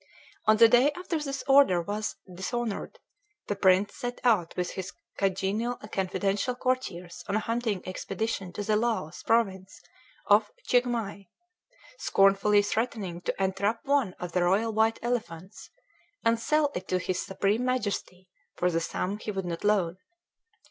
On the day after his order was dishonored, the prince set out with his congenial and confidential courtiers on a hunting expedition to the Laos province of Chiengmai, scornfully threatening to entrap one of the royal white elephants, and sell it to his Supreme Majesty for the sum he would not loan.